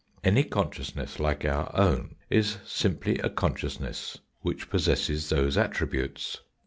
Any consciousness like our own is simply a consciousness which possesses those attributes.